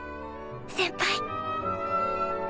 先輩